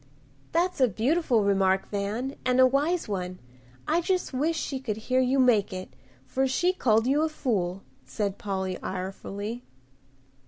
"That's a beautiful remark, Van, and a wise one. I just wish she could hear you make it, for she called you a fool," said Polly, irefully.